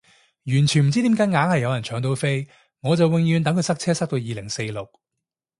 完全唔知點解硬係有人搶到飛，我就永遠等佢塞車塞到二零四六